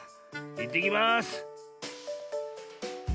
いってきます。